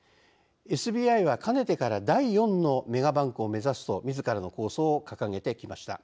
ＳＢＩはかねてから第４のメガバンクを目指すとみずからの構想を掲げてきました。